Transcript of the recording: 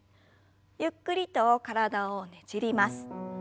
ゆっくりと体をねじります。